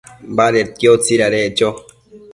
Badedquio tsidadeccho